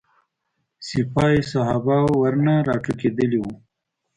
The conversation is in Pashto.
سپاه صحابه ورنه راټوکېدلي وو.